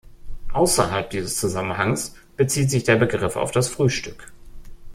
Außerhalb dieses Zusammenhangs bezieht sich der Begriff auf das Frühstück.